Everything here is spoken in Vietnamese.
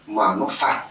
mà nó phạt